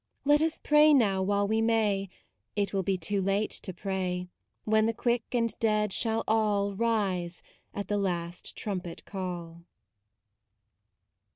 Let us pray now, while we may; It will be too late to pray When the quick and dead shall all Rise at the last trumpet call.